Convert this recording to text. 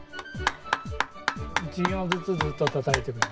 １行ずつずっとたたいてくの。